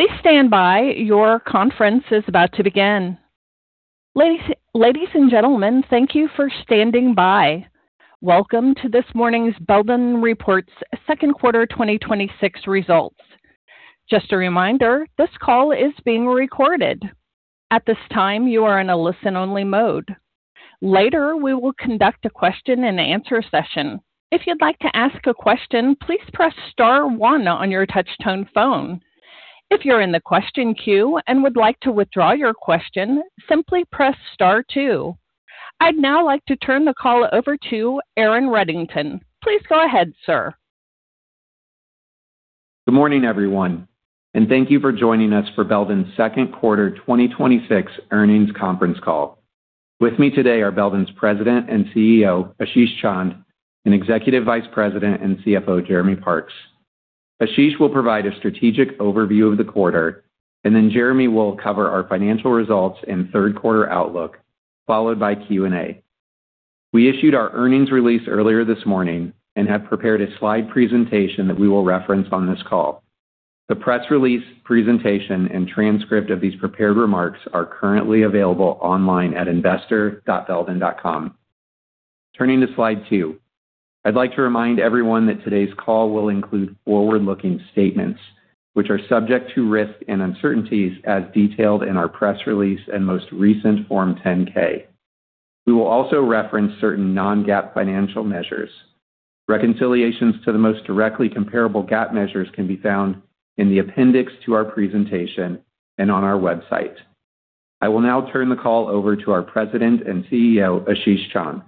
Please stand by. Your conference is about to begin. Ladies and gentlemen, thank you for standing by. Welcome to this morning's Belden reports second quarter 2026 results. Just a reminder, this call is being recorded. At this time, you are in a listen-only mode. Later, we will conduct a question-and-answer session. If you'd like to ask a question, please press star one on your touch-tone phone. If you're in the question queue and would like to withdraw your question, simply press star two. I'd now like to turn the call over to Aaron Reddington. Please go ahead, sir. Good morning, everyone, and thank you for joining us for Belden's second quarter 2026 earnings conference call. With me today are Belden's President and CEO, Ashish Chand, and Executive Vice President and CFO, Jeremy Parks. Ashish will provide a strategic overview of the quarter, and then Jeremy will cover our financial results and third quarter outlook, followed by Q&A. We issued our earnings release earlier this morning and have prepared a slide presentation that we will reference on this call. The press release presentation and transcript of these prepared remarks are currently available online at investor.belden.com. Turning to slide two. I'd like to remind everyone that today's call will include forward-looking statements, which are subject to risks and uncertainties as detailed in our press release and most recent Form 10-K. We will also reference certain non-GAAP financial measures. Reconciliations to the most directly comparable GAAP measures can be found in the appendix to our presentation and on our website. I will now turn the call over to our President and CEO, Ashish Chand.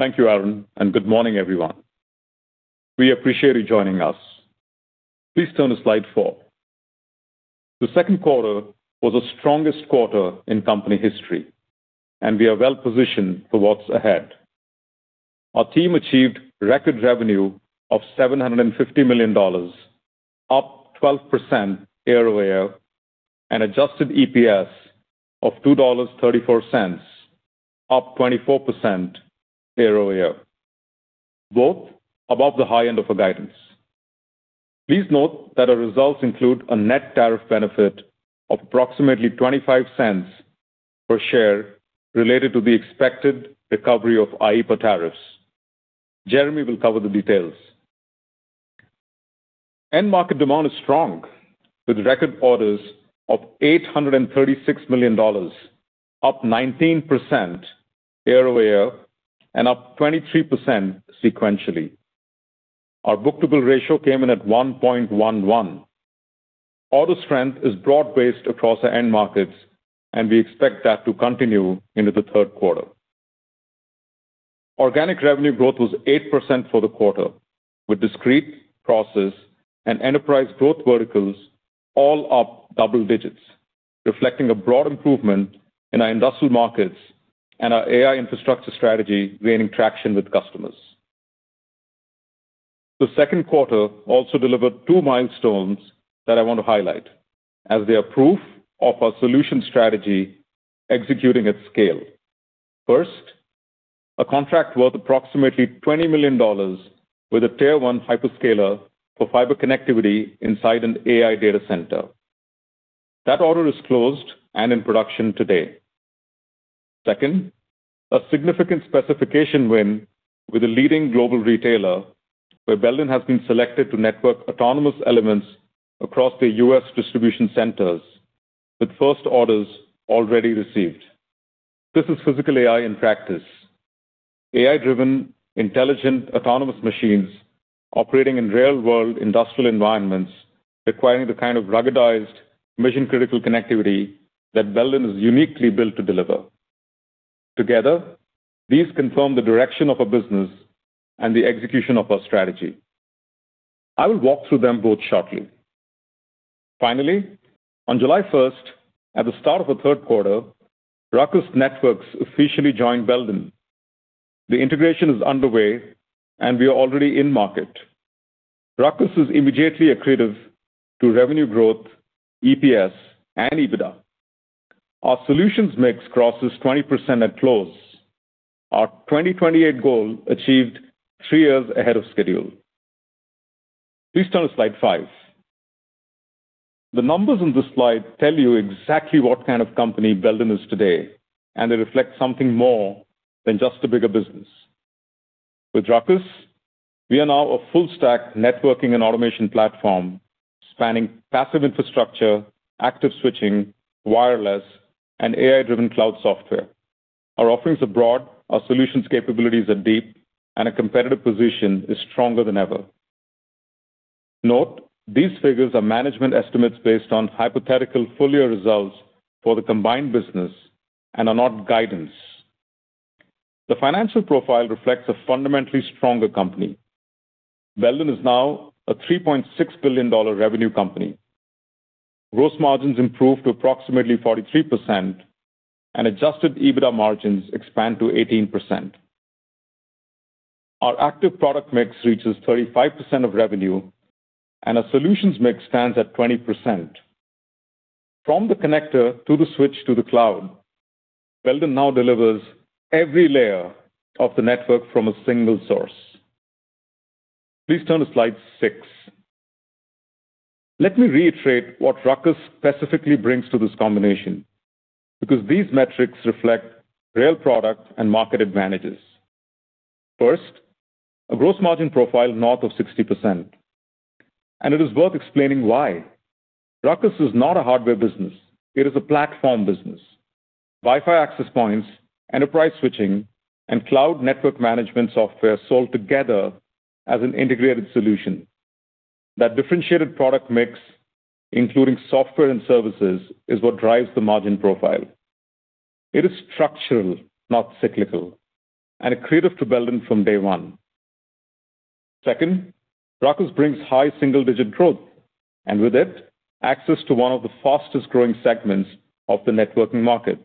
Thank you, Aaron, and good morning, everyone. We appreciate you joining us. Please turn to slide four. The second quarter was the strongest quarter in company history, and we are well-positioned for what's ahead. Our team achieved record revenue of $750 million, up 12% year-over-year, and adjusted EPS of $2.34, up 24% year-over-year, both above the high end of our guidance. Please note that our results include a net tariff benefit of approximately $0.25 per share related to the expected recovery of IEEPA tariffs. Jeremy will cover the details. End market demand is strong, with record orders of $836 million, up 19% year-over-year and up 23% sequentially. Our book-to-bill ratio came in at 1.11. Order strength is broad-based across the end markets, and we expect that to continue into the third quarter. Organic revenue growth was 8% for the quarter, with discrete, process, and enterprise growth verticals all up double digits, reflecting a broad improvement in our industrial markets and our AI infrastructure strategy gaining traction with customers. The second quarter also delivered two milestones that I want to highlight as they are proof of our solution strategy executing at scale. First, a contract worth approximately $20 million with a Tier 1 hyperscaler for fiber connectivity inside an AI data center. That order is closed and in production today. Second, a significant specification win with a leading global retailer where Belden has been selected to network autonomous elements across the U.S. distribution centers, with first orders already received. This is physical AI in practice. AI-driven intelligent autonomous machines operating in real-world industrial environments requiring the kind of ruggedized mission-critical connectivity that Belden is uniquely built to deliver. These confirm the direction of a business and the execution of our strategy. I will walk through them both shortly. Finally, on July 1st, at the start of the third quarter, RUCKUS Networks officially joined Belden. The integration is underway and we are already in market. RUCKUS is immediately accretive to revenue growth, EPS, and EBITDA. Our solutions mix crosses 20% at close. Our 2028 goal achieved three years ahead of schedule. Please turn to slide five. The numbers on this slide tell you exactly what kind of company Belden is today, and they reflect something more than just a bigger business. With RUCKUS, we are now a full stack networking and automation platform spanning passive infrastructure, active switching, wireless, and AI-driven cloud software. Our offerings are broad, our solutions capabilities are deep, and our competitive position is stronger than ever. These figures are management estimates based on hypothetical full-year results for the combined business and are not guidance. The financial profile reflects a fundamentally stronger company. Belden is now a $3.6 billion revenue company. Gross margins improve to approximately 43%, and adjusted EBITDA margins expand to 18%. Our active product mix reaches 35% of revenue, and our solutions mix stands at 20%. From the connector to the switch to the cloud, Belden now delivers every layer of the network from a single source. Please turn to slide six. Let me reiterate what RUCKUS specifically brings to this combination, because these metrics reflect real product and market advantages. First, a gross margin profile north of 60%, and it is worth explaining why. RUCKUS is not a hardware business. It is a platform business. Wi-Fi access points, enterprise switching, and cloud network management software sold together as an integrated solution. Differentiated product mix, including software and services, is what drives the margin profile. It is structural, not cyclical, and accretive to Belden from day one. Second, RUCKUS brings high single-digit growth, and with it, access to one of the fastest-growing segments of the networking market.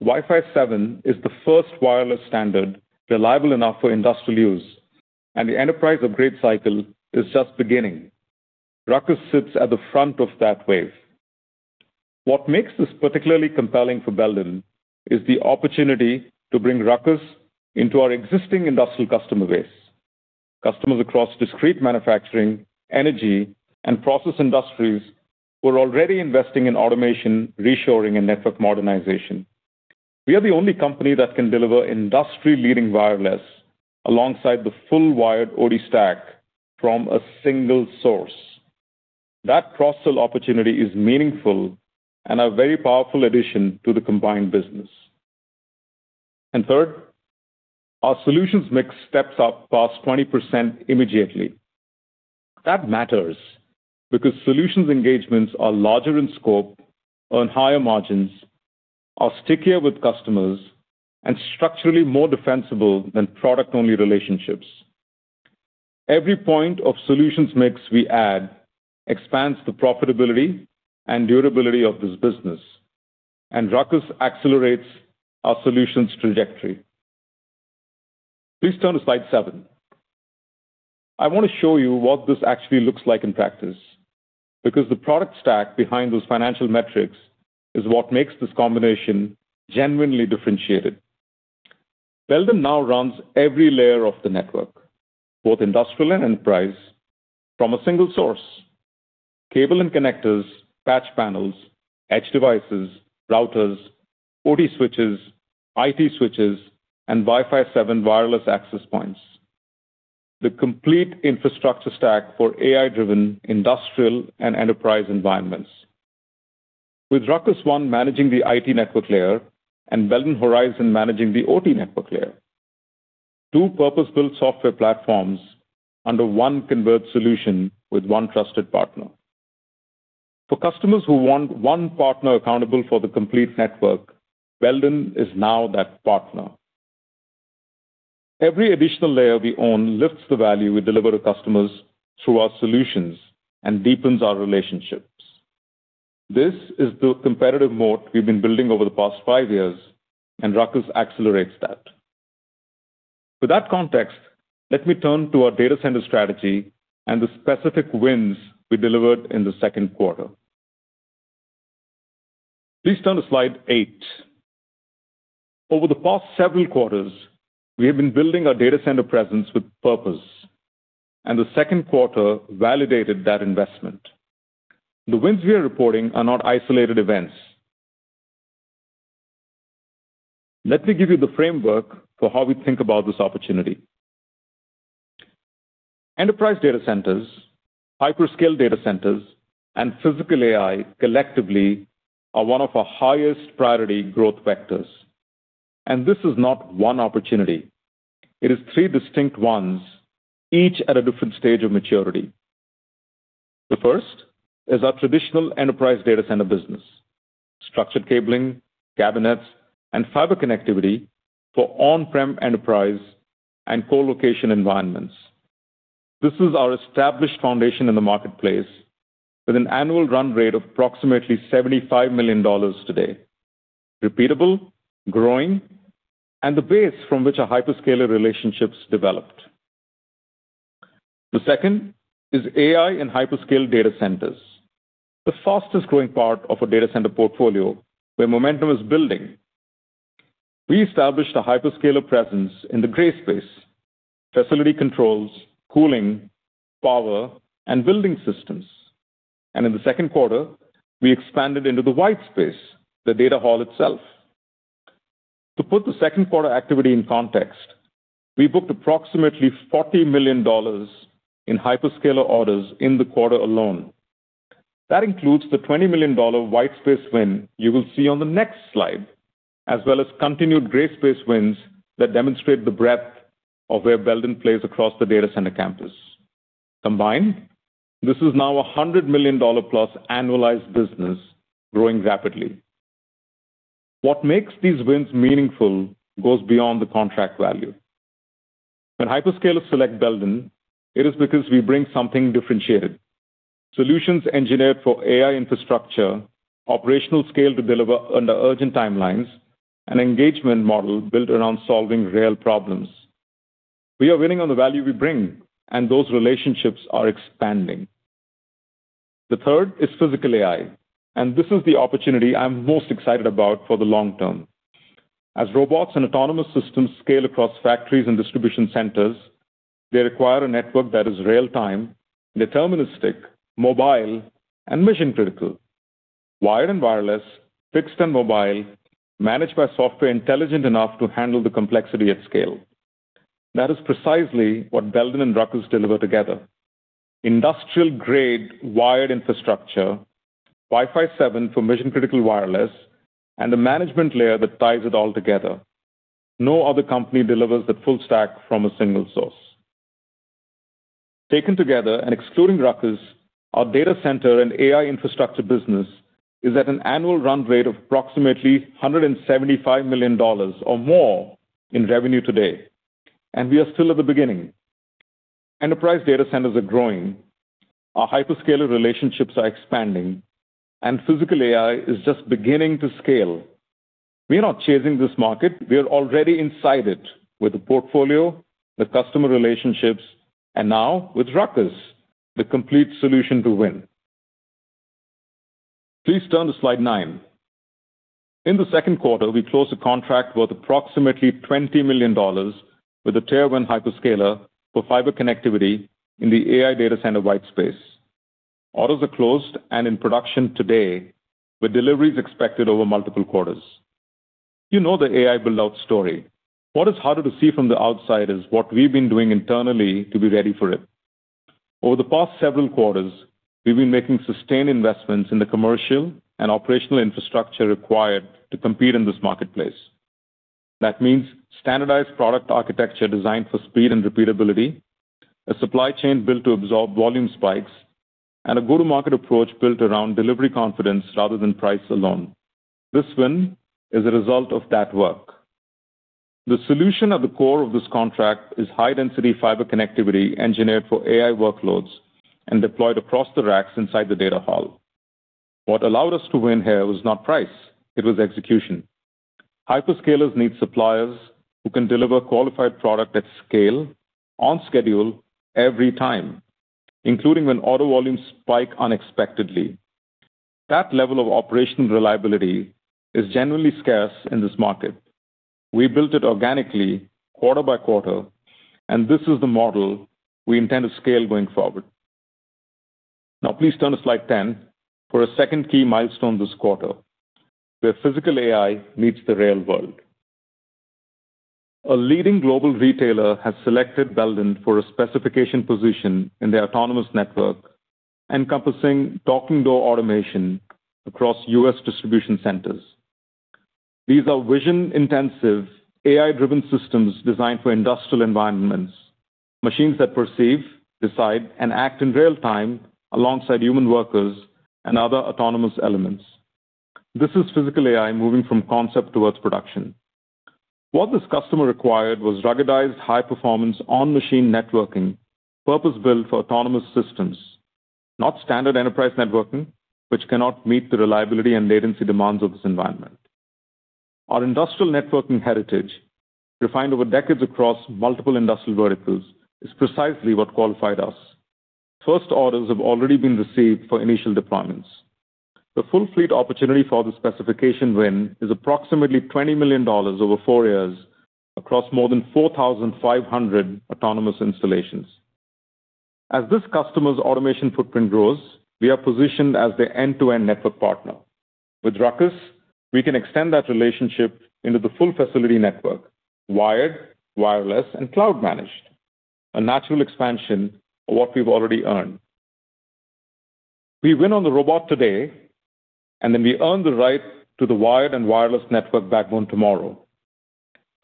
Wi-Fi 7 is the first wireless standard reliable enough for industrial use, and the enterprise upgrade cycle is just beginning. RUCKUS sits at the front of that wave. What makes this particularly compelling for Belden is the opportunity to bring RUCKUS into our existing industrial customer base. Customers across discrete manufacturing, energy, and process industries who are already investing in automation, reshoring, and network modernization. We are the only company that can deliver industry-leading wireless alongside the full-wired OT stack from a single source. Cross-sell opportunity is meaningful and a very powerful addition to the combined business. Third, our solutions mix steps up past 20% immediately. That matters because solutions engagements are larger in scope, earn higher margins, are stickier with customers, and structurally more defensible than product-only relationships. Every point of solutions mix we add expands the profitability and durability of this business, and RUCKUS accelerates our solutions trajectory. Please turn to slide seven. I want to show you what this actually looks like in practice, because the product stack behind those financial metrics is what makes this combination genuinely differentiated. Belden now runs every layer of the network, both industrial and enterprise, from a single source. Cable and connectors, patch panels, edge devices, routers, OT switches, IT switches, and Wi-Fi 7 wireless access points. The complete infrastructure stack for AI-driven industrial and enterprise environments. With RUCKUS ONE managing the IT network layer and Belden Horizon managing the OT network layer, two purpose-built software platforms under one converged solution with one trusted partner. For customers who want one partner accountable for the complete network, Belden is now that partner. Every additional layer we own lifts the value we deliver to customers through our solutions and deepens our relationships. This is the competitive moat we've been building over the past five years, and RUCKUS accelerates that. With that context, let me turn to our data center strategy and the specific wins we delivered in the second quarter. Please turn to slide eight. Over the past several quarters, we have been building our data center presence with purpose, and the second quarter validated that investment. The wins we are reporting are not isolated events. Let me give you the framework for how we think about this opportunity. Enterprise data centers, hyperscale data centers, and physical AI collectively are one of our highest priority growth vectors. This is not one opportunity. It is three distinct ones, each at a different stage of maturity. The first is our traditional enterprise data center business. Structured cabling, cabinets, and fiber connectivity for on-prem enterprise and co-location environments. This is our established foundation in the marketplace with an annual run rate of approximately $75 million today. Repeatable, growing, and the base from which our hyperscaler relationships developed. The second is AI and hyperscale data centers, the fastest-growing part of our data center portfolio, where momentum is building. We established a hyperscaler presence in the gray space, facility controls, cooling, power, and building systems. In the second quarter, we expanded into the white space, the data hall itself. To put the second quarter activity in context, we booked approximately $40 million in hyperscaler orders in the quarter alone. That includes the $20 million white space win you will see on the next slide, as well as continued gray space wins that demonstrate the breadth of where Belden plays across the data center campus. Combined, this is now a $100 million+ annualized business growing rapidly. What makes these wins meaningful goes beyond the contract value. When hyperscalers select Belden, it is because we bring something differentiated. Solutions engineered for AI infrastructure, operational scale to deliver under urgent timelines, an engagement model built around solving real problems. We are winning on the value we bring. Those relationships are expanding. The third is physical AI. This is the opportunity I'm most excited about for the long term. As robots and autonomous systems scale across factories and distribution centers, they require a network that is real-time, deterministic, mobile, and mission-critical. Wired and wireless, fixed and mobile, managed by software intelligent enough to handle the complexity at scale. That is precisely what Belden and RUCKUS deliver together. Industrial-grade wired infrastructure, Wi-Fi 6 for mission-critical wireless, and a management layer that ties it all together. No other company delivers that full stack from a single source. Taken together and excluding RUCKUS, our data center and AI infrastructure business is at an annual run rate of approximately $175 million or more in revenue today, and we are still at the beginning. Enterprise data centers are growing. Our hyperscaler relationships are expanding, and physical AI is just beginning to scale. We are not chasing this market. We are already inside it with the portfolio, the customer relationships, and now with RUCKUS, the complete solution to win. Please turn to slide nine. In the second quarter, we closed a contract worth approximately $20 million with a tier 1 hyperscaler for fiber connectivity in the AI data center white space. Orders are closed and in production today, with deliveries expected over multiple quarters. You know the AI build-out story. What is harder to see from the outside is what we've been doing internally to be ready for it. Over the past several quarters, we've been making sustained investments in the commercial and operational infrastructure required to compete in this marketplace. That means standardized product architecture designed for speed and repeatability, a supply chain built to absorb volume spikes, and a go-to-market approach built around delivery confidence rather than price alone. This win is a result of that work. The solution at the core of this contract is high-density fiber connectivity engineered for AI workloads and deployed across the racks inside the data hall. What allowed us to win here was not price, it was execution. Hyperscalers need suppliers who can deliver qualified product at scale, on schedule, every time, including when order volumes spike unexpectedly. That level of operational reliability is generally scarce in this market. We built it organically quarter by quarter, and this is the model we intend to scale going forward. Now please turn to slide 10 for a second key milestone this quarter where physical AI meets the real world. A leading global retailer has selected Belden for a specification position in their autonomous network, encompassing docking door automation across U.S. distribution centers. These are vision-intensive, AI-driven systems designed for industrial environments, machines that perceive, decide, and act in real time alongside human workers and other autonomous elements. This is physical AI moving from concept towards production. What this customer required was ruggedized high performance on-machine networking, purpose-built for autonomous systems, not standard enterprise networking, which cannot meet the reliability and latency demands of this environment. Our industrial networking heritage, refined over decades across multiple industrial verticals, is precisely what qualified us. First orders have already been received for initial deployments. The full fleet opportunity for the specification win is approximately $20 million over four years across more than 4,500 autonomous installations. As this customer's automation footprint grows, we are positioned as their end-to-end network partner. With RUCKUS, we can extend that relationship into the full facility network, wired, wireless, and cloud managed, a natural expansion of what we've already earned. We win on the robot today, then we earn the right to the wired and wireless network backbone tomorrow.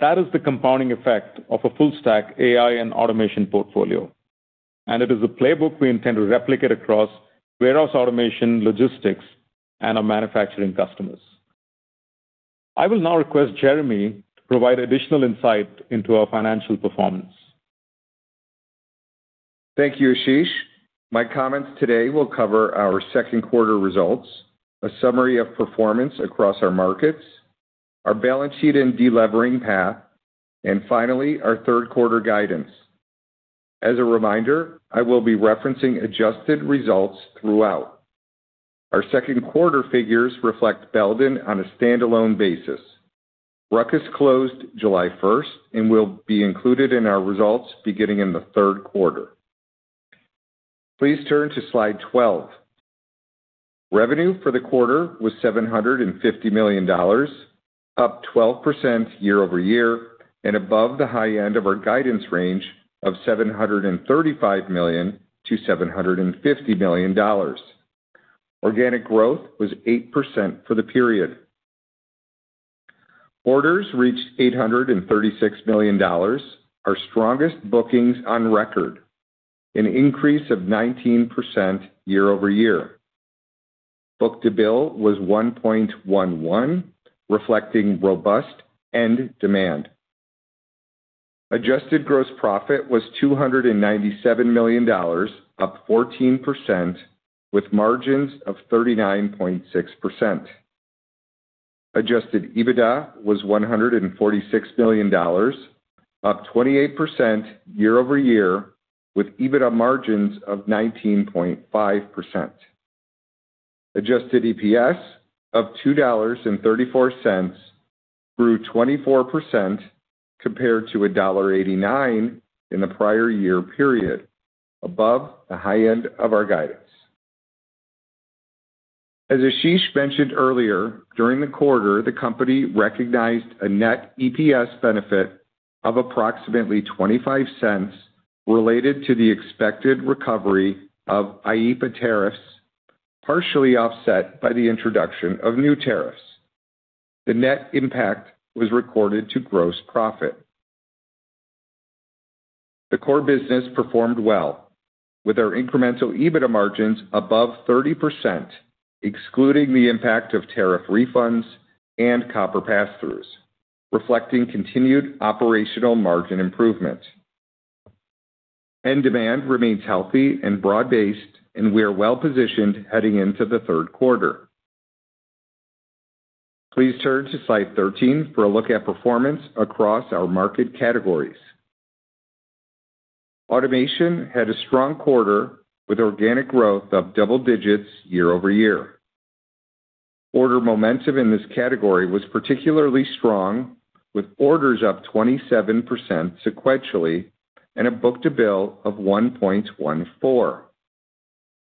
That is the compounding effect of a full stack AI and Automation portfolio, it is a playbook we intend to replicate across warehouse automation, logistics, and our manufacturing customers. I will now request Jeremy to provide additional insight into our financial performance. Thank you, Ashish. My comments today will cover our second quarter results, a summary of performance across our markets, our balance sheet and de-levering path, finally, our third quarter guidance. As a reminder, I will be referencing adjusted results throughout. Our second quarter figures reflect Belden on a standalone basis. RUCKUS closed July 1st and will be included in our results beginning in the third quarter. Please turn to slide 12. Revenue for the quarter was $750 million, up 12% year-over-year and above the high end of our guidance range of $735 million-$750 million. Organic growth was 8% for the period. Orders reached $836 million, our strongest bookings on record, an increase of 19% year-over-year. Book-to-bill was 1.11, reflecting robust end demand. Adjusted gross profit was $297 million, up 14%, with margins of 39.6%. Adjusted EBITDA was $146 million, up 28% year-over-year, with EBITDA margins of 19.5%. Adjusted EPS of $2.34 grew 24%, compared to $1.89 in the prior year period, above the high end of our guidance. As Ashish mentioned earlier, during the quarter, the company recognized a net EPS benefit of approximately $0.25 related to the expected recovery of IEEPA tariffs, partially offset by the introduction of new tariffs. The net impact was recorded to gross profit. The core business performed well, with our incremental EBITDA margins above 30%, excluding the impact of tariff refunds and copper passthroughs, reflecting continued operational margin improvement. End demand remains healthy and broad-based, we are well-positioned heading into the third quarter. Please turn to slide 13 for a look at performance across our market categories. Automation had a strong quarter, with organic growth of double digits year-over-year. Order momentum in this category was particularly strong, with orders up 27% sequentially, a book-to-bill of 1.14.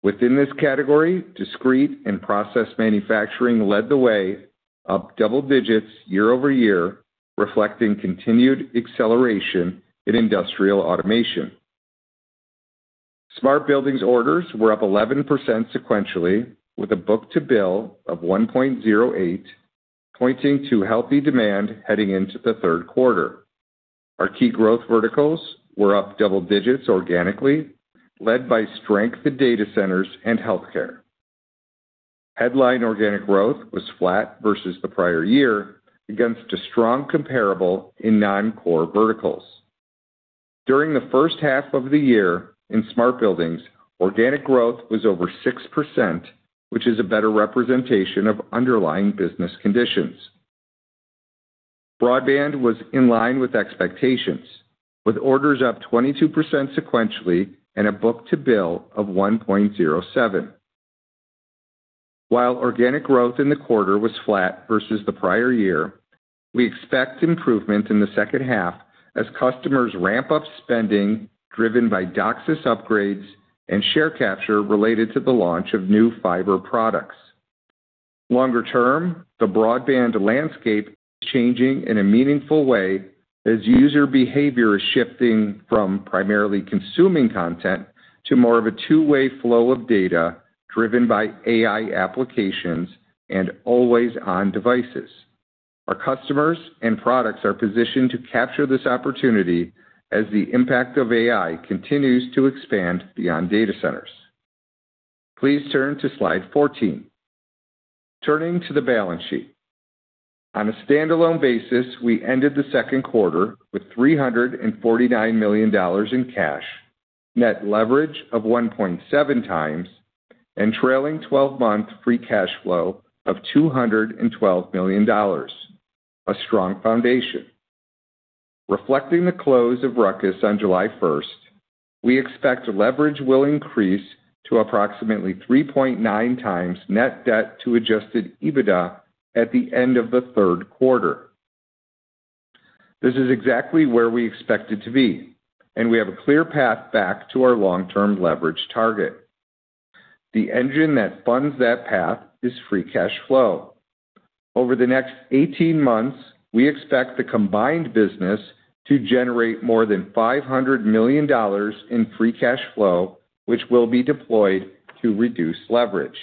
Within this category, discrete and process manufacturing led the way, up double digits year-over-year, reflecting continued acceleration in industrial automation. Smart Buildings orders were up 11% sequentially, with a book-to-bill of 1.08, pointing to healthy demand heading into the third quarter. Our key growth verticals were up double digits organically, led by strength in data centers and healthcare. Headline organic growth was flat versus the prior year against a strong comparable in non-core verticals. During the first half of the year in Smart Buildings, organic growth was over 6%, which is a better representation of underlying business conditions. Broadband was in line with expectations, with orders up 22% sequentially, a book-to-bill of 1.07. While organic growth in the quarter was flat versus the prior year, we expect improvement in the second half as customers ramp up spending, driven by DOCSIS upgrades and share capture related to the launch of new fiber products. Longer term, the Broadband landscape is changing in a meaningful way as user behavior is shifting from primarily consuming content to more of a two-way flow of data driven by AI applications and always-on devices. Our customers and products are positioned to capture this opportunity as the impact of AI continues to expand beyond data centers. Please turn to slide 14. Turning to the balance sheet. On a standalone basis, we ended the second quarter with $349 million in cash, net leverage of 1.7x, and trailing 12-month free cash flow of $212 million. A strong foundation. Reflecting the close of RUCKUS on July 1st, we expect leverage will increase to approximately 3.9x net debt to adjusted EBITDA at the end of the third quarter. This is exactly where we expect it to be, and we have a clear path back to our long-term leverage target. The engine that funds that path is free cash flow. Over the next 18 months, we expect the combined business to generate more than $500 million in free cash flow, which will be deployed to reduce leverage.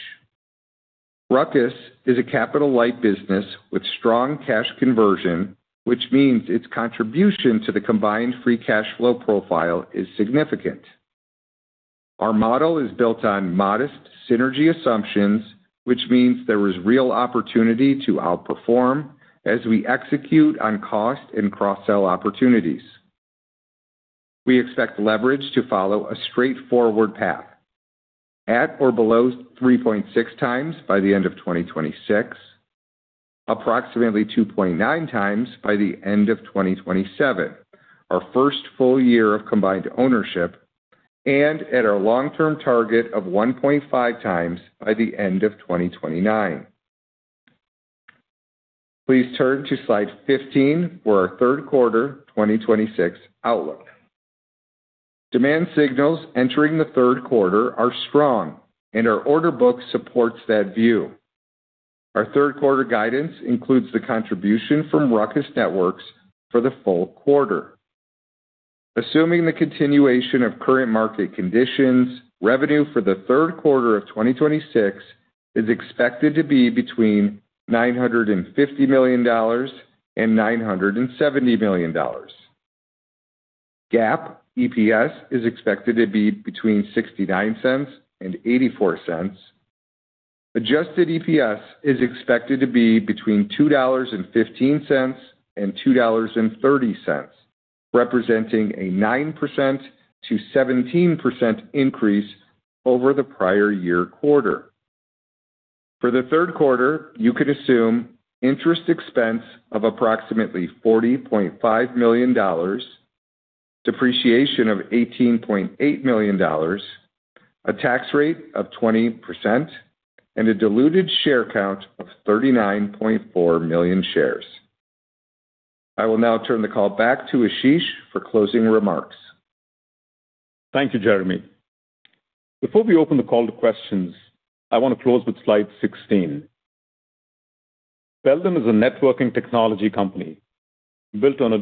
RUCKUS is a capital-light business with strong cash conversion, which means its contribution to the combined free cash flow profile is significant. Our model is built on modest synergy assumptions, which means there is real opportunity to outperform as we execute on cost and cross-sell opportunities. We expect leverage to follow a straightforward path, at or below 3.6x by the end of 2026, approximately 2.9x by the end of 2027, our first full year of combined ownership, and at our long-term target of 1.5x by the end of 2029. Please turn to slide 15 for our third quarter 2026 outlook. Demand signals entering the third quarter are strong, and our order book supports that view. Our third quarter guidance includes the contribution from RUCKUS Networks for the full quarter. Assuming the continuation of current market conditions, revenue for the third quarter of 2026 is expected to be between $950 million and $970 million. GAAP EPS is expected to be between $0.69 and $0.84. Adjusted EPS is expected to be between $2.15 and $2.30. Representing a 9%-17% increase over the prior year quarter. For the third quarter, you can assume interest expense of approximately $40.5 million, depreciation of $18.8 million, a tax rate of 20%, and a diluted share count of 39.4 million shares. I will now turn the call back to Ashish for closing remarks. Thank you, Jeremy. Before we open the call to questions, I want to close with slide 16. Belden is a networking technology company built on a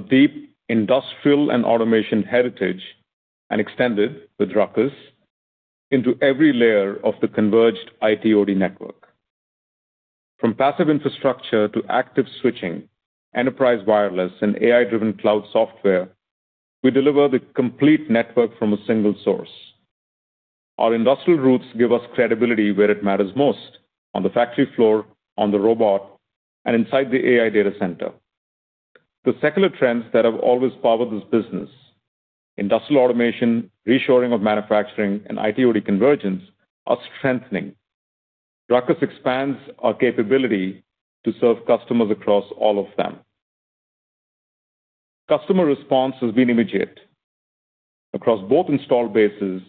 deep industrial and Automation heritage and extended with RUCKUS into every layer of the converged IT/OT network. From passive infrastructure to active switching, enterprise wireless, and AI-driven cloud software, we deliver the complete network from a single source. Our industrial roots give us credibility where it matters most, on the factory floor, on the robot, and inside the AI data center. The secular trends that have always powered this business, industrial Automation, reshoring of manufacturing, and IT/OT convergence, are strengthening. RUCKUS expands our capability to serve customers across all of them. Customer response has been immediate. Across both install bases,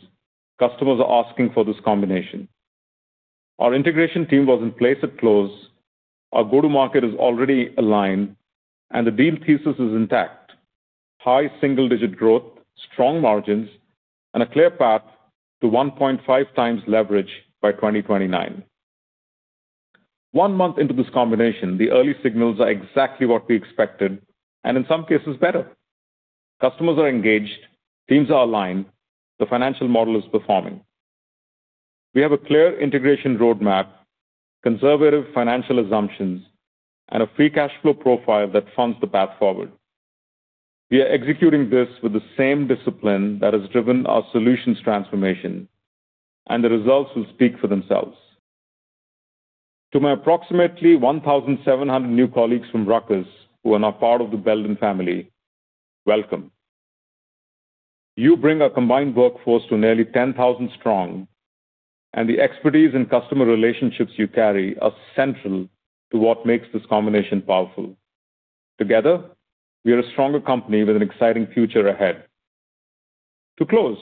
customers are asking for this combination. Our integration team was in place at close, our go-to-market is already aligned, the deal thesis is intact. High single-digit growth, strong margins, and a clear path to 1.5x leverage by 2029. One month into this combination, the early signals are exactly what we expected, in some cases better. Customers are engaged. Teams are aligned. The financial model is performing. We have a clear integration roadmap, conservative financial assumptions, and a free cash flow profile that funds the path forward. We are executing this with the same discipline that has driven our solutions transformation, the results will speak for themselves. To my approximately 1,700 new colleagues from RUCKUS who are now part of the Belden family, welcome. You bring our combined workforce to nearly 10,000 strong, the expertise and customer relationships you carry are central to what makes this combination powerful. Together, we are a stronger company with an exciting future ahead. To close,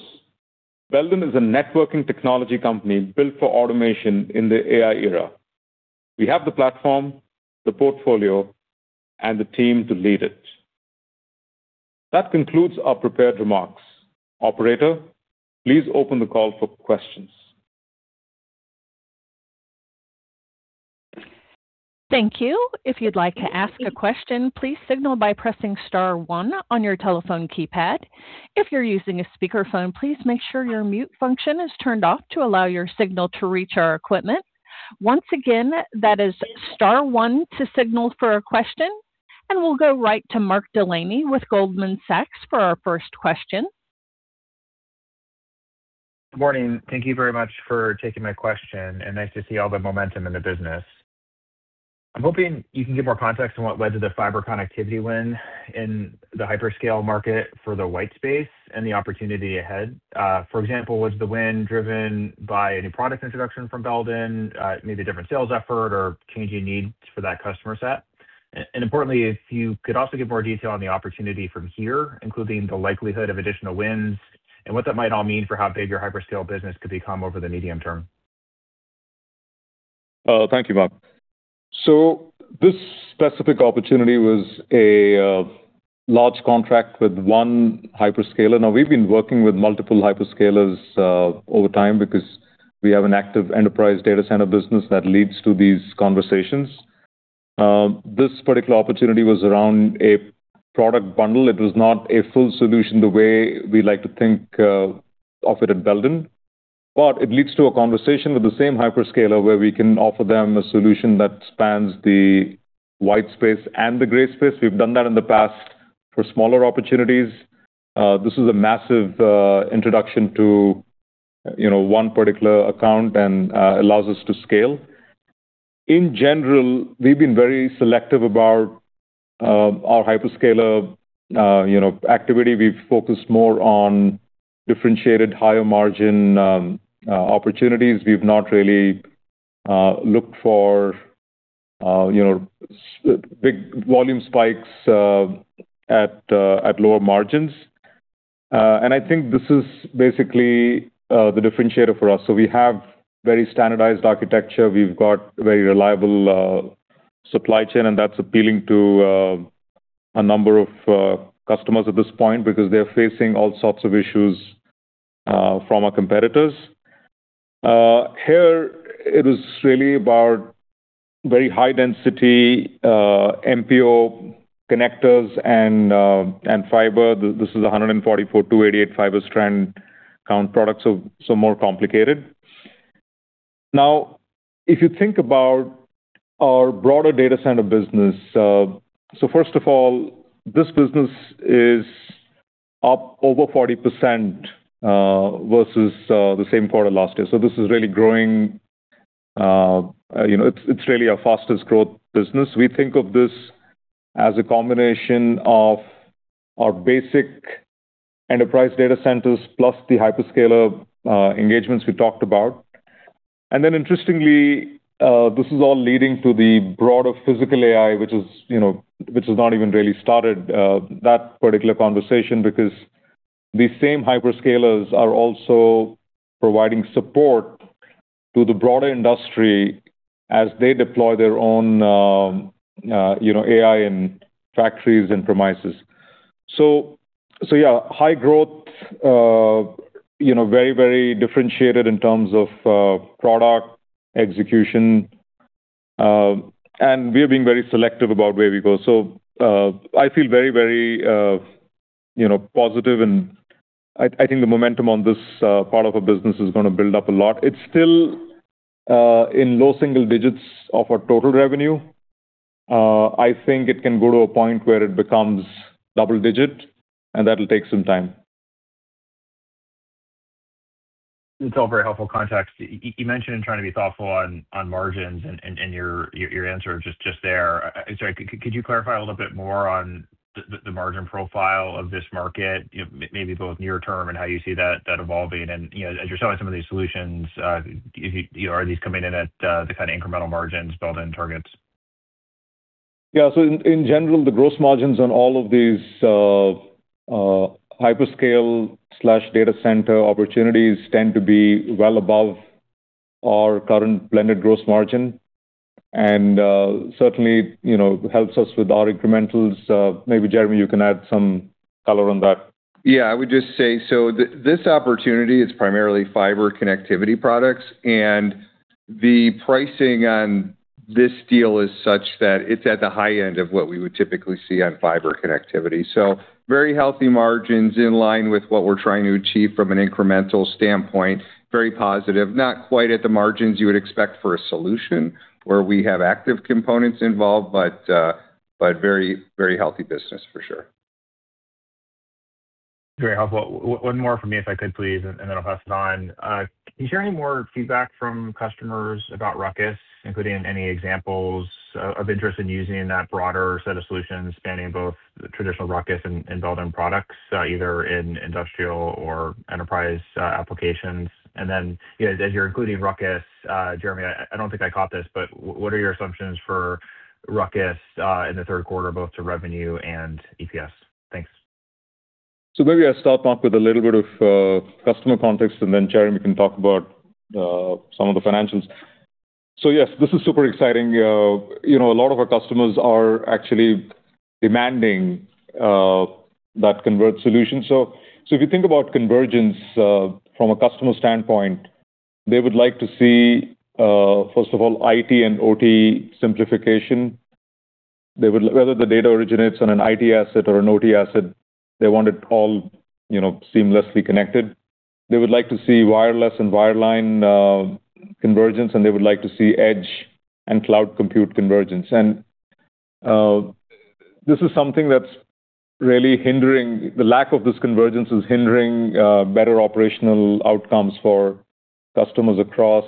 Belden is a networking technology company built for automation in the AI era. We have the platform, the portfolio, and the team to lead it. That concludes our prepared remarks. Operator, please open the call for questions. Thank you. If you'd like to ask a question, please signal by pressing star one on your telephone keypad. If you're using a speakerphone, please make sure your mute function is turned off to allow your signal to reach our equipment. Once again, that is star one to signal for a question. We'll go right to Mark Delaney with Goldman Sachs for our first question. Good morning. Thank you very much for taking my question, and nice to see all the momentum in the business. I'm hoping you can give more context on what led to the fiber connectivity win in the hyperscale market for the white space and the opportunity ahead. For example, was the win driven by a new product introduction from Belden, maybe a different sales effort or changing needs for that customer set? Importantly, if you could also give more detail on the opportunity from here, including the likelihood of additional wins and what that might all mean for how big your hyperscale business could become over the medium term. Thank you, Mark. This specific opportunity was a large contract with one hyperscaler. We've been working with multiple hyperscalers over time because we have an active enterprise data center business that leads to these conversations. This particular opportunity was around a product bundle. It was not a full solution the way we like to think of it at Belden, but it leads to a conversation with the same hyperscaler where we can offer them a solution that spans the white space and the gray space. We've done that in the past for smaller opportunities. This is a massive introduction to one particular account and allows us to scale. In general, we've been very selective about our hyperscaler activity. We've focused more on differentiated higher margin opportunities. We've not really looked for big volume spikes at lower margins. I think this is basically the differentiator for us. We have very standardized architecture. We've got very reliable supply chain, and that's appealing to a number of customers at this point because they're facing all sorts of issues from our competitors. Here it is really about very high density MPO connectors and fiber. This is 144, 288 fiber strand count products, more complicated. If you think about our broader data center business, first of all, this business is up over 40% versus the same quarter last year. This is really growing. It's really our fastest growth business. We think of this as a combination of our basic enterprise data centers plus the hyperscaler engagements we talked about. Interestingly, this is all leading to the broader physical AI, which has not even really started that particular conversation because these same hyperscalers are also providing support to the broader industry as they deploy their own AI in factories and premises. Yeah, high growth, very differentiated in terms of product execution. We are being very selective about where we go. I feel very positive and I think the momentum on this part of our business is going to build up a lot. It's still in low single digits of our total revenue. I think it can go to a point where it becomes double-digit and that'll take some time. It's all very helpful context. You mentioned in trying to be thoughtful on margins and your answer just there. Sorry, could you clarify a little bit more on the margin profile of this market, maybe both near term and how you see that evolving and as you're selling some of these solutions, are these coming in at the kind of incremental margins Belden targets? Yeah. In general, the gross margins on all of these hyperscale/data center opportunities tend to be well above our current blended gross margin and certainly helps us with our incrementals. Maybe Jeremy, you can add some color on that. Yeah, I would just say, this opportunity is primarily fiber connectivity products and the pricing on this deal is such that it's at the high end of what we would typically see on fiber connectivity. Very healthy margins in line with what we're trying to achieve from an incremental standpoint. Very positive. Not quite at the margins you would expect for a solution where we have active components involved, very healthy business for sure. Very helpful. One more from me if I could please, I'll pass it on. Can you share any more feedback from customers about RUCKUS, including any examples of interest in using that broader set of solutions spanning both the traditional RUCKUS and Belden products, either in industrial or enterprise applications? As you're including RUCKUS, Jeremy, I don't think I caught this, what are your assumptions for RUCKUS in the third quarter, both to revenue and EPS? Thanks. Maybe I'll start off with a little bit of customer context and then Jeremy can talk about some of the financials. Yes, this is super exciting. A lot of our customers are actually demanding that converged solution. If you think about convergence from a customer standpoint, they would like to see, first of all, IT and OT simplification. Whether the data originates on an IT asset or an OT asset, they want it all seamlessly connected. They would like to see wireless and wireline convergence, and they would like to see edge and cloud compute convergence. This is something that's really hindering. The lack of this convergence is hindering better operational outcomes for customers across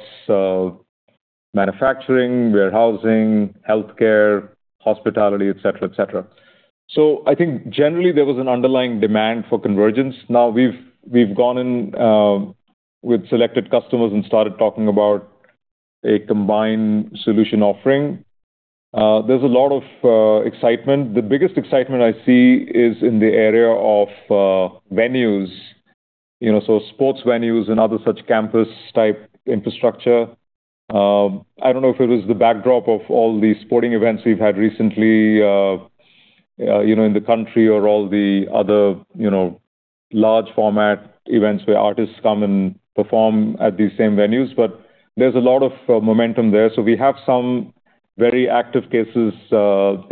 manufacturing, warehousing, healthcare, hospitality, et cetera. I think generally there was an underlying demand for convergence. Now we've gone in with selected customers and started talking about a combined solution offering. There's a lot of excitement. The biggest excitement I see is in the area of venues. Sports venues and other such campus type infrastructure. I don't know if it was the backdrop of all the sporting events we've had recently in the country or all the other large format events where artists come and perform at these same venues. There's a lot of momentum there. We have some very active cases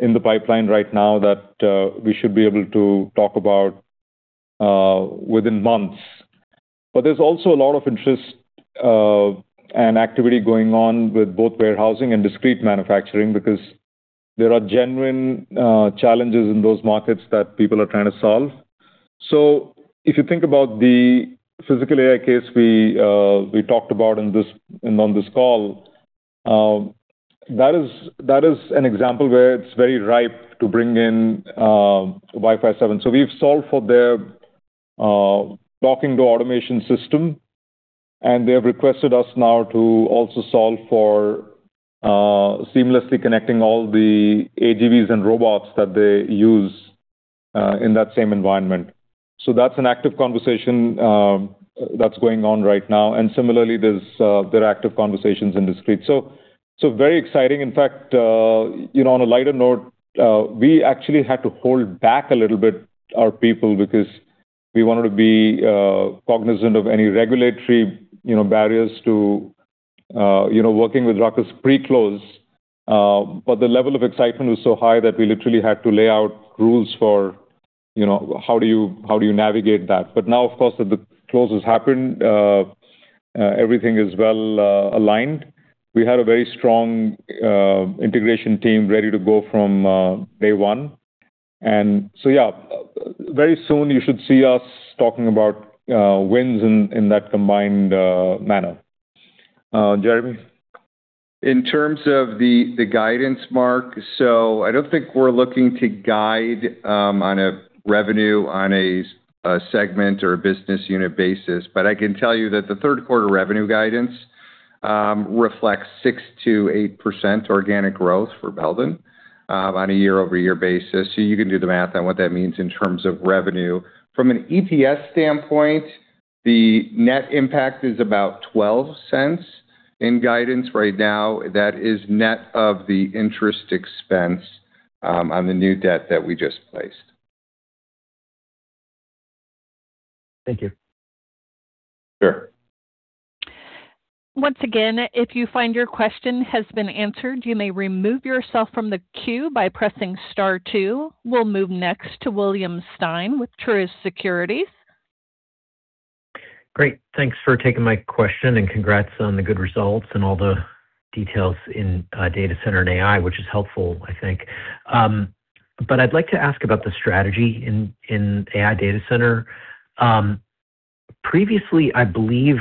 in the pipeline right now that we should be able to talk about within months. There's also a lot of interest and activity going on with both warehousing and discrete manufacturing because there are genuine challenges in those markets that people are trying to solve. If you think about the physical AI case we talked about on this call, that is an example where it's very ripe to bring in Wi-Fi 7. We've solved for their docking door automation system, and they have requested us now to also solve for seamlessly connecting all the AGVs and robots that they use in that same environment. That's an active conversation that's going on right now. Similarly, there are active conversations in discrete. Very exciting. In fact, on a lighter note, we actually had to hold back a little bit our people because we wanted to be cognizant of any regulatory barriers to working with RUCKUS pre-close. The level of excitement was so high that we literally had to lay out rules for how do you navigate that. Now of course, the close has happened. Everything is well aligned. We had a very strong integration team ready to go from day one. Yeah, very soon you should see us talking about wins in that combined manner. Jeremy? In terms of the guidance, Mark, I don't think we're looking to guide on a revenue on a segment or a business unit basis. I can tell you that the third quarter revenue guidance reflects 6%-8% organic growth for Belden on a year-over-year basis. You can do the math on what that means in terms of revenue. From an EPS standpoint, the net impact is about $0.12 in guidance right now. That is net of the interest expense on the new debt that we just placed. Thank you. Sure. Once again, if you find your question has been answered, you may remove yourself from the queue by pressing star two. We'll move next to William Stein with Truist Securities. Great. Thanks for taking my question and congrats on the good results and all the details in data center and AI, which is helpful, I think. I'd like to ask about the strategy in AI data center. Previously, I believe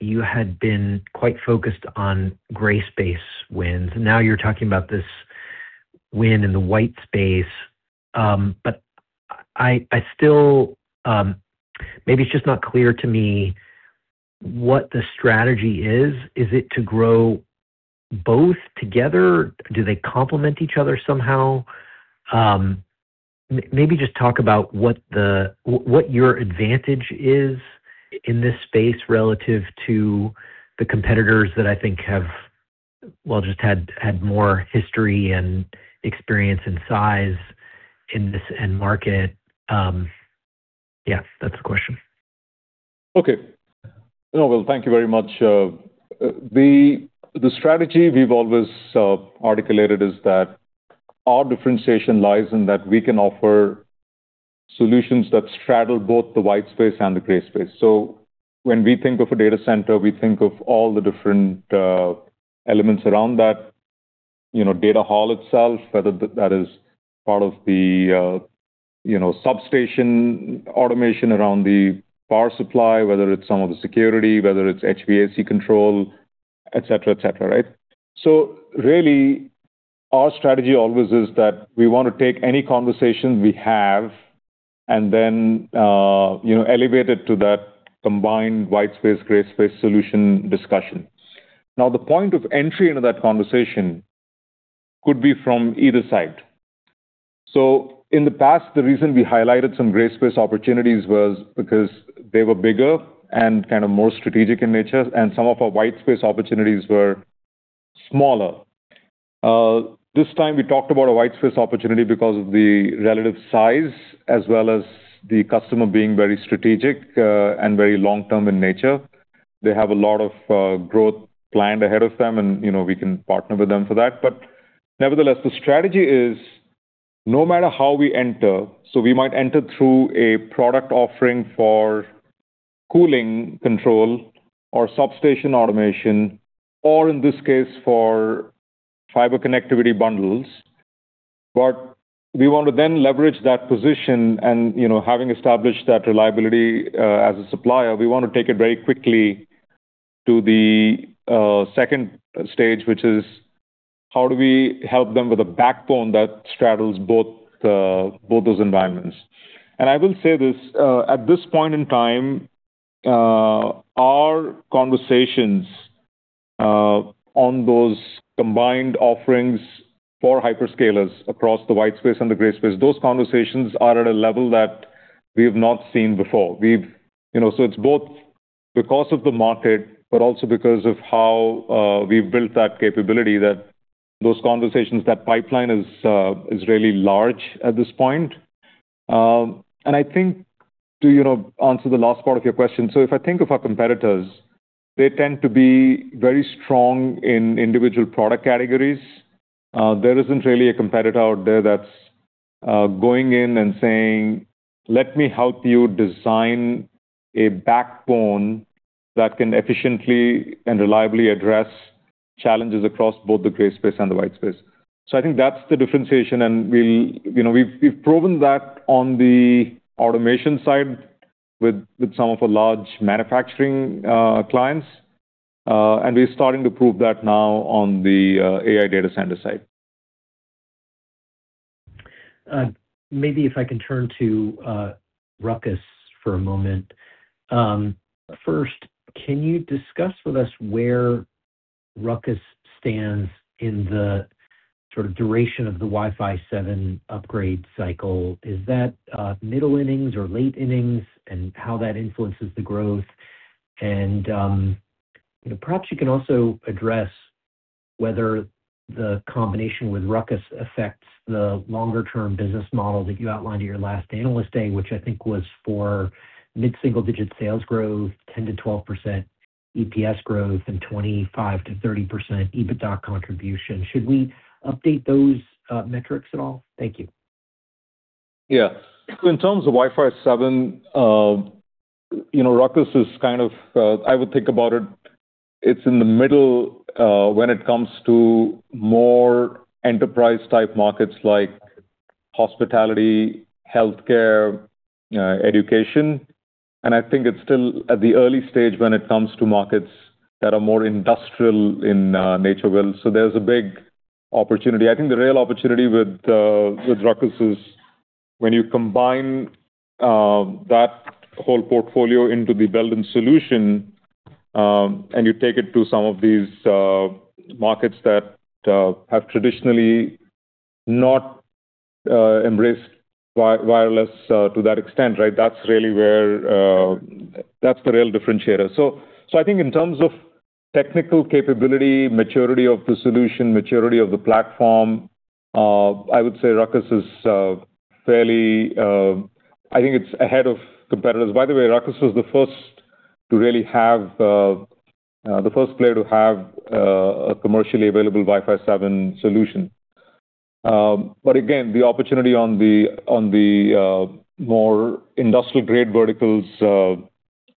you had been quite focused on gray space wins, and now you're talking about this win in the white space. Maybe it's just not clear to me what the strategy is. Is it to grow both together? Do they complement each other somehow? Maybe just talk about what your advantage is in this space relative to the competitors that I think have, well, just had more history and experience and size in this end market. Yeah. That's the question. Okay. No, well, thank you very much. The strategy we've always articulated is that our differentiation lies in that we can offer solutions that straddle both the white space and the gray space. When we think of a data center, we think of all the different elements around that data haul itself, whether that is part of the substation automation around the power supply, whether it's some of the security, whether it's HVAC control, et cetera. Really, our strategy always is that we want to take any conversations we have and then elevate it to that combined white space, gray space solution discussion. Now, the point of entry into that conversation could be from either side. In the past, the reason we highlighted some gray space opportunities was because they were bigger and more strategic in nature, and some of our white space opportunities were smaller. This time, we talked about a white space opportunity because of the relative size as well as the customer being very strategic and very long-term in nature. They have a lot of growth planned ahead of them, and we can partner with them for that. Nevertheless, the strategy is no matter how we enter, we might enter through a product offering for cooling control or substation automation or in this case, for fiber connectivity bundles. We want to then leverage that position and, having established that reliability as a supplier, we want to take it very quickly to the stage 2, which is how do we help them with a backbone that straddles both those environments. I will say this, at this point in time, our conversations on those combined offerings for hyperscalers across the white space and the gray space, those conversations are at a level that we have not seen before. It's both because of the market, but also because of how we've built that capability, that those conversations, that pipeline is really large at this point. I think to answer the last part of your question, if I think of our competitors, they tend to be very strong in individual product categories. There isn't really a competitor out there that's going in and saying, "Let me help you design a backbone that can efficiently and reliably address challenges across both the gray space and the white space." I think that's the differentiation, and we've proven that on the Automation side with some of our large manufacturing clients. We're starting to prove that now on the AI data center side. Perhaps if I can turn to RUCKUS for a moment. First, can you discuss with us where RUCKUS stands in the sort of duration of the Wi-Fi 7 upgrade cycle? Is that middle innings or late innings, and how that influences the growth? Perhaps you can also address whether the combination with RUCKUS affects the longer-term business model that you outlined at your last Analyst Day, which I think was for mid-single-digit sales growth, 10% to 12% EPS growth, and 25% to 30% EBITDA contribution. Should we update those metrics at all? Thank you. Yeah. In terms of Wi-Fi 7 RUCKUS, I would think about it's in the middle when it comes to more enterprise-type markets like hospitality, healthcare, education, I think it's still at the early stage when it comes to markets that are more industrial in nature. There's a big opportunity. I think the real opportunity with RUCKUS is when you combine that whole portfolio into the Belden solution. You take it to some of these markets that have traditionally not embraced wireless to that extent, that's the real differentiator. I think in terms of technical capability, maturity of the solution, maturity of the platform, I would say RUCKUS, I think it's ahead of competitors. By the way, RUCKUS was the first player to have a commercially available Wi-Fi 7 solution. Again, the opportunity on the more industrial-grade verticals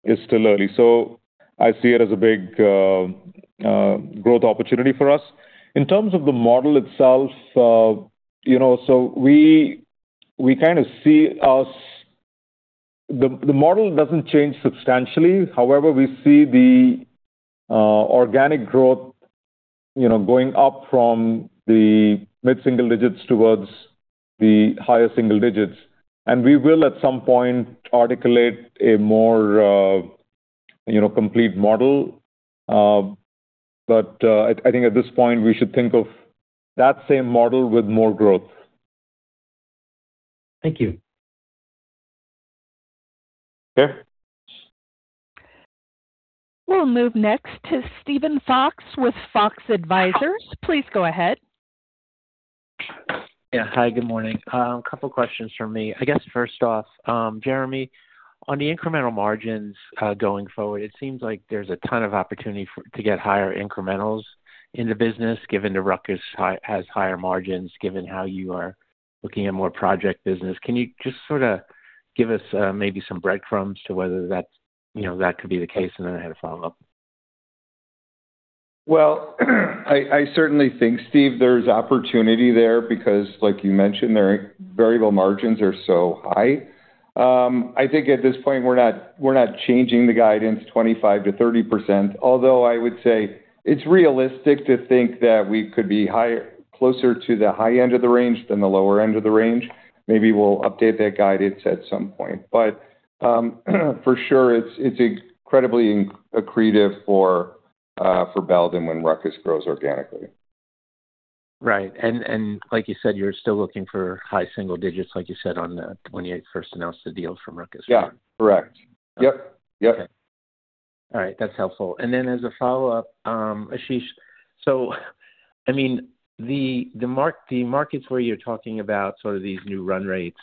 is still early. I see it as a big growth opportunity for us. In terms of the model itself, the model doesn't change substantially. However, we see the organic growth going up from the mid-single digits towards the higher single digits. We will, at some point, articulate a more complete model. I think at this point, we should think of that same model with more growth. Thank you. Sure. We'll move next to Steven Fox with Fox Advisors. Please go ahead. Yeah. Hi, good morning. A couple of questions from me. I guess first off, Jeremy, on the incremental margins, going forward, it seems like there's a ton of opportunity to get higher incrementals in the business, given that RUCKUS has higher margins, given how you are looking at more project business. Can you just give us maybe some breadcrumbs to whether that could be the case? Then I had a follow-up. Well, I certainly think, Steve, there's opportunity there because like you mentioned, their variable margins are so high. I think at this point, we're not changing the guidance 25%-30%, although I would say it's realistic to think that we could be closer to the high end of the range than the lower end of the range. Maybe we'll update that guidance at some point. For sure, it's incredibly accretive for Belden when RUCKUS grows organically. Right. Like you said, you're still looking for high single digits, like you said, on the 28th first announced the deal from RUCKUS. Yeah. Correct. Yep. Okay. All right. That's helpful. As a follow-up, Ashish, the markets where you're talking about these new run rates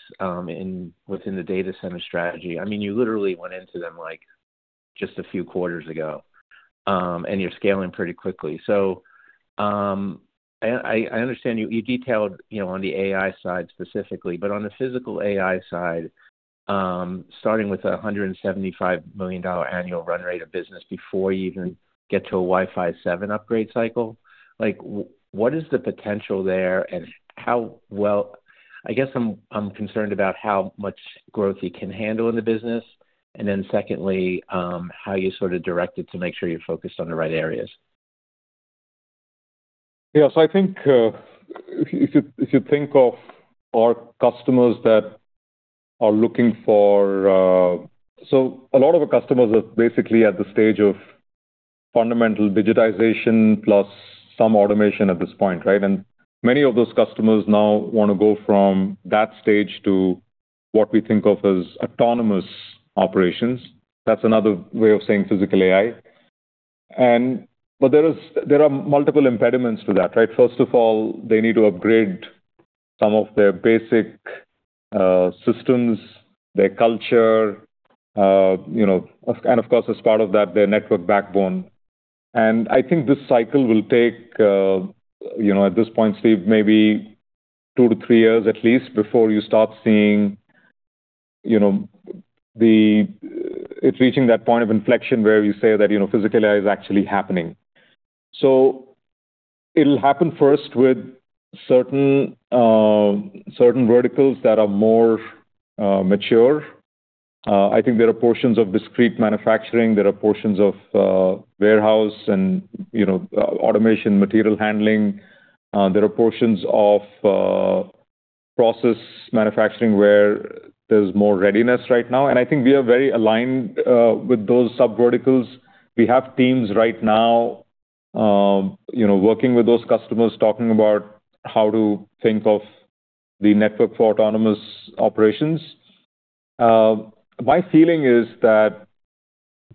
within the data center strategy, you literally went into them just a few quarters ago. You're scaling pretty quickly. I understand you detailed on the AI side specifically, but on the physical AI side, starting with a $175 million annual run rate of business before you even get to a Wi-Fi 7 upgrade cycle, what is the potential there and how well. I guess I'm concerned about how much growth you can handle in the business, and then secondly, how you direct it to make sure you're focused on the right areas. Yeah. If you think of our customers that are looking for. A lot of our customers are basically at the stage of fundamental digitization plus some automation at this point, right? Many of those customers now want to go from that stage to what we think of as autonomous operations. That's another way of saying physical AI. There are multiple impediments to that, right? First of all, they need to upgrade some of their basic systems, their culture, and of course, as part of that, their network backbone. I think this cycle will take, at this point, Steve, maybe two to three years at least before you start seeing it reaching that point of inflection where you say that physical AI is actually happening. It'll happen first with certain verticals that are more mature. I think there are portions of discrete manufacturing, there are portions of warehouse and automation material handling. There are portions of process manufacturing where there's more readiness right now, I think we are very aligned with those subverticals. We have teams right now working with those customers, talking about how to think of the network for autonomous operations. My feeling is that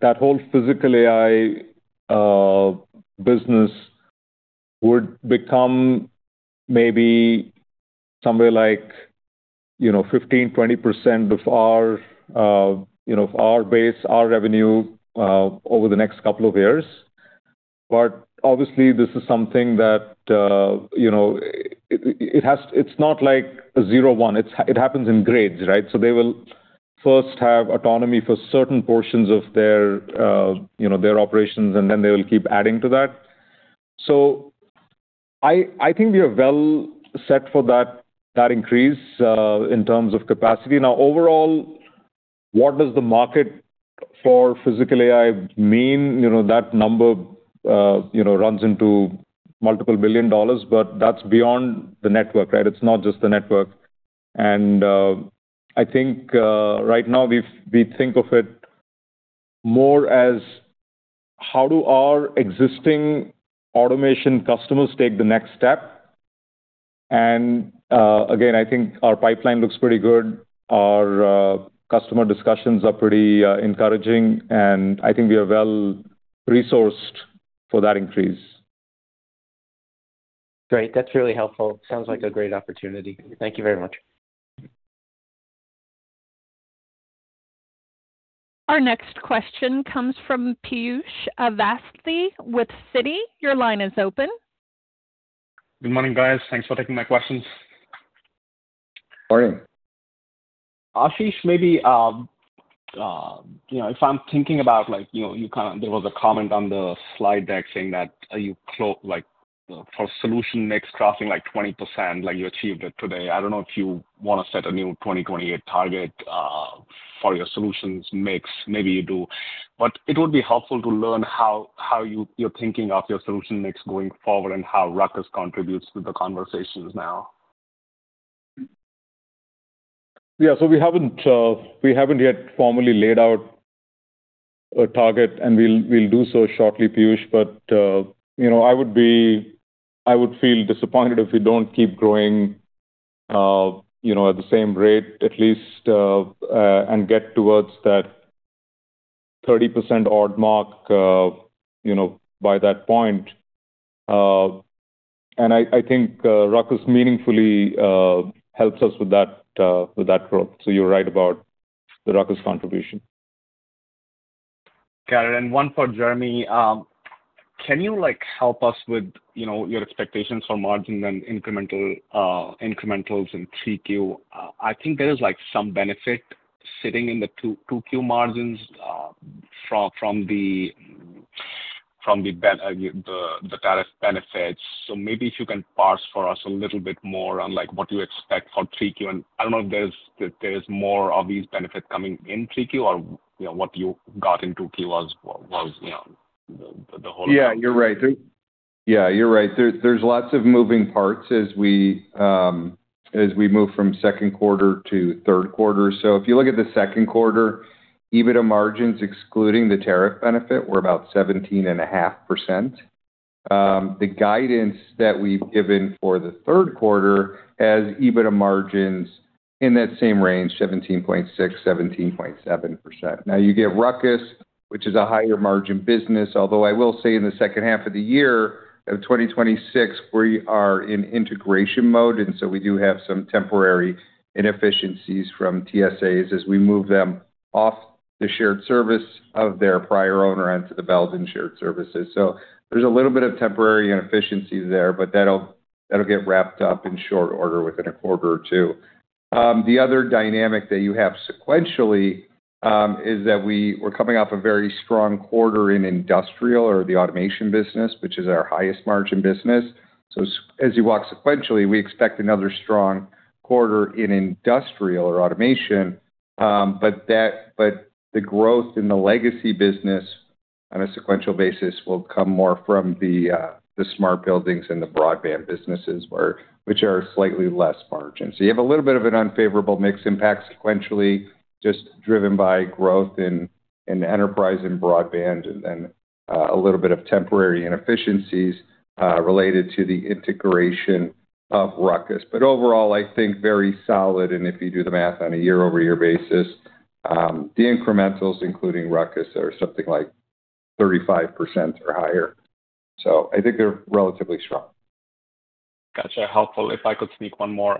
that whole physical AI business would become maybe somewhere like 15%-20% of our base, our revenue over the next couple of years. Obviously this is something that it's not like a zero-one. It happens in grades, right? They will first have autonomy for certain portions of their operations, and then they will keep adding to that. I think we are well set for that increase in terms of capacity. Overall, what does the market for physical AI mean? That number runs into multiple billion dollars, that's beyond the network, right? It's not just the network. I think right now we think of it more as how do our existing Automation customers take the next step? Again, I think our pipeline looks pretty good. Our customer discussions are pretty encouraging, and I think we are well-resourced for that increase. Great. That's really helpful. Sounds like a great opportunity. Thank you very much. Our next question comes from Piyush Avasthy with Citi. Your line is open. Good morning, guys. Thanks for taking my questions. Morning. Ashish, maybe if I'm thinking about there was a comment on the slide deck saying that for solution mix crossing like 20%, like you achieved it today. I don't know if you want to set a new 2028 target for your solutions mix. Maybe you do. It would be helpful to learn how you're thinking of your solution mix going forward and how RUCKUS contributes to the conversations now. Yeah. We haven't yet formally laid out a target, and we'll do so shortly, Piyush. I would feel disappointed if we don't keep growing at the same rate at least and get towards that 30% odd mark by that point. I think RUCKUS meaningfully helps us with that growth. You're right about the RUCKUS contribution. Got it. One for Jeremy. Can you help us with your expectations for margin and incrementals in 3Q? I think there is some benefit sitting in the 2Q margins from the tariff benefits. Maybe if you can parse for us a little bit more on what you expect for 3Q, I don't know if there's more of these benefit coming in 3Q or what you got in 2Q was the whole- Yeah, you're right. There's lots of moving parts as we move from second quarter to third quarter. If you look at the second quarter, EBITDA margins excluding the tariff benefit were about 17.5%. The guidance that we've given for the third quarter has EBITDA margins in that same range, 17.6%, 17.7%. Now you get RUCKUS, which is a higher margin business, although I will say in the second half of the year of 2026, we are in integration mode, we do have some temporary inefficiencies from TSAs as we move them off the shared service of their prior owner onto the Belden shared services. There's a little bit of temporary inefficiency there, that'll get wrapped up in short order within a quarter or two. The other dynamic that you have sequentially is that we're coming off a very strong quarter in industrial or the Automation business, which is our highest margin business. As you walk sequentially, we expect another strong quarter in industrial or Automation. The growth in the legacy business on a sequential basis will come more from the Smart Buildings and the Broadband businesses, which are slightly less margin. You have a little bit of an unfavorable mix impact sequentially, just driven by growth in enterprise and Broadband and then a little bit of temporary inefficiencies related to the integration of RUCKUS. Overall, I think very solid, and if you do the math on a year-over-year basis, the incrementals including RUCKUS are something like 35% or higher. I think they're relatively strong. Got you. Helpful. If I could sneak one more.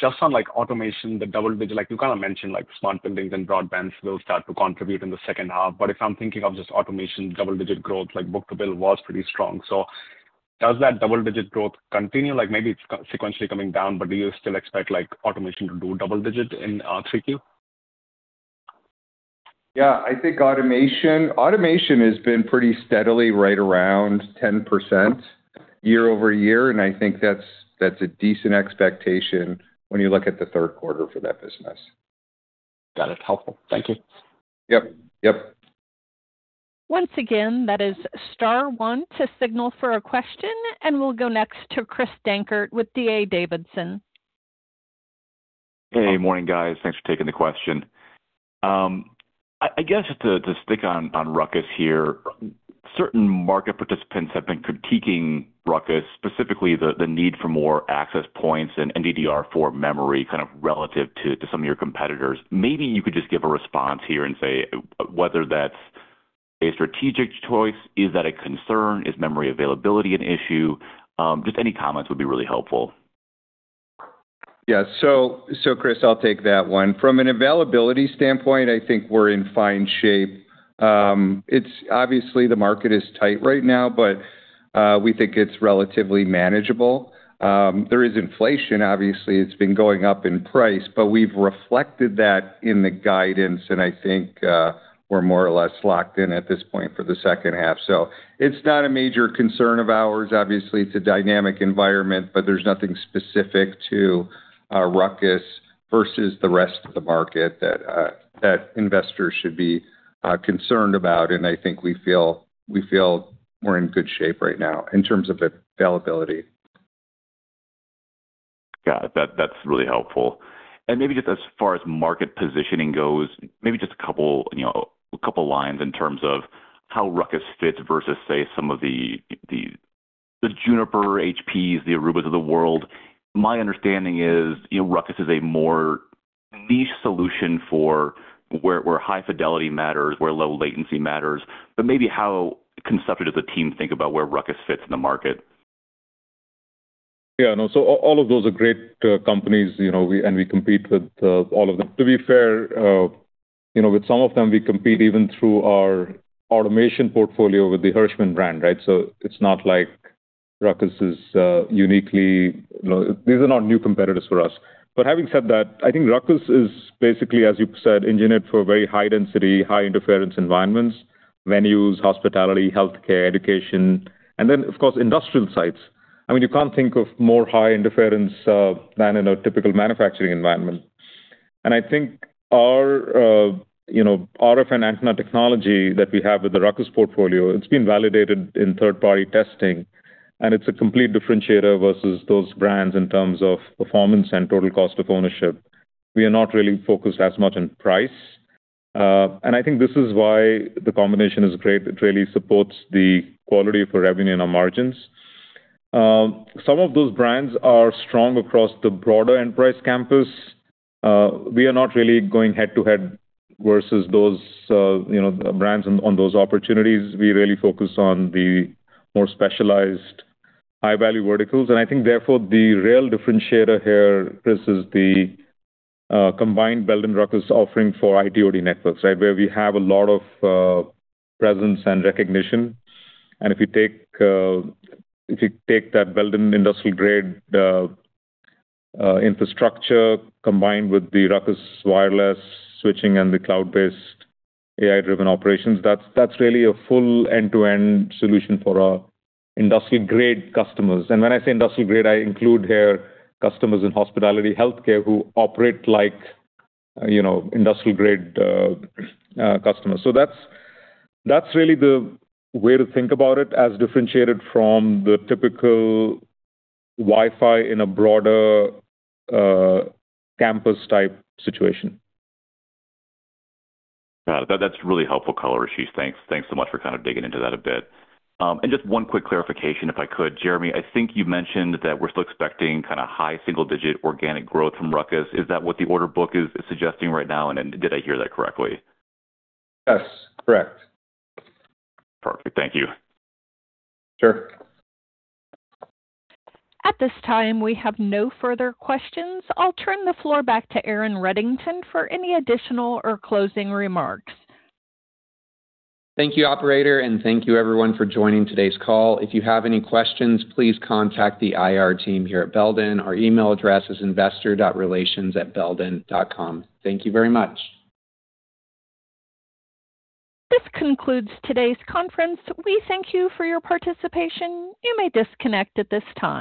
Just on Automation, the double-digit, you kind of mentioned like Smart Buildings and Broadband will start to contribute in the second half. If I'm thinking of just Automation, double-digit growth, like book-to-bill was pretty strong. Does that double-digit growth continue? Like maybe it's sequentially coming down, but do you still expect Automation to do double-digit in 3Q? Yeah, I think Automation has been pretty steadily right around 10% year-over-year, and I think that's a decent expectation when you look at the third quarter for that business. Got it. Helpful. Thank you. Yep. Yep. Once again, that is star one to signal for a question, we'll go next to Chris Dankert with D.A. Davidson. Hey. Morning, guys. Thanks for taking the question. I guess just to stick on RUCKUS here, certain market participants have been critiquing RUCKUS, specifically the need for more access points and DDR4 memory kind of relative to some of your competitors. Maybe you could just give a response here and say whether that's a strategic choice. Is that a concern? Is memory availability an issue? Just any comments would be really helpful. Yeah. Chris, I'll take that one. From an availability standpoint, I think we're in fine shape. Obviously, the market is tight right now, we think it's relatively manageable. There is inflation, obviously, it's been going up in price, we've reflected that in the guidance, I think we're more or less locked in at this point for the second half. It's not a major concern of ours. Obviously, it's a dynamic environment, there's nothing specific to RUCKUS versus the rest of the market that investors should be concerned about. I think we feel we're in good shape right now in terms of availability. Got it. That's really helpful. Maybe just as far as market positioning goes, maybe just a couple lines in terms of how RUCKUS fits versus, say, some of the Juniper, HPs, the Arubas of the world. My understanding is, RUCKUS is a more niche solution for where high fidelity matters, where low latency matters. Maybe how conceptually does the team think about where RUCKUS fits in the market? Yeah, no. All of those are great companies, and we compete with all of them. To be fair, with some of them, we compete even through our Automation portfolio with the Hirschmann brand, right? It's not like RUCKUS is uniquely these are not new competitors for us. Having said that, I think RUCKUS is basically, as you said, engineered for very high density, high interference environments, venues, hospitality, healthcare, education, and then of course, industrial sites. You can't think of more high interference than in a typical manufacturing environment. I think our RF and antenna technology that we have with the RUCKUS portfolio, it's been validated in third party testing, and it's a complete differentiator versus those brands in terms of performance and total cost of ownership. We are not really focused as much on price. I think this is why the combination is great. It really supports the quality of our revenue and our margins. Some of those brands are strong across the broader enterprise campus. We are not really going head to head versus those brands on those opportunities. We really focus on the more specialized high-value verticals, and I think, therefore, the real differentiator here, Chris, is the combined Belden RUCKUS offering for IT/OT networks, right? Where we have a lot of presence and recognition. If you take that Belden industrial grade infrastructure combined with the RUCKUS wireless switching and the cloud-based AI driven operations, that's really a full end-to-end solution for our industrial grade customers. When I say industrial grade, I include here customers in hospitality, healthcare, who operate like industrial grade customers. That's really the way to think about it as differentiated from the typical Wi-Fi in a broader campus type situation. Got it. That's really helpful color, Ashish. Thanks so much for kind of digging into that a bit. Just one quick clarification, if I could. Jeremy, I think you mentioned that we're still expecting high single digit organic growth from RUCKUS. Is that what the order book is suggesting right now, and did I hear that correctly? Yes, correct. Perfect. Thank you. Sure. At this time, we have no further questions. I'll turn the floor back to Aaron Reddington for any additional or closing remarks. Thank you, operator, and thank you everyone for joining today's call. If you have any questions, please contact the IR team here at Belden. Our email address is investor.relations@belden.com. Thank you very much. This concludes today's conference. We thank you for your participation. You may disconnect at this time.